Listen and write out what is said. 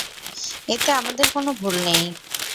এতে আমাদের কোনো ভুল নেই।